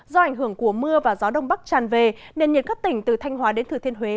do ảnh hưởng của mưa và gió đông bắc tràn về nền nhiệt các tỉnh từ thanh hóa đến thừa thiên huế